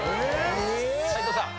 斎藤さん。